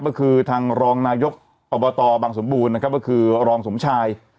ก็คือทางรองนายกอัพตอบังสมบูรณ์ก็คือรองสมชาย